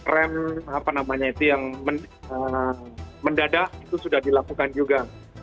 rem apa namanya itu yang mendadak itu sudah dilakukan juga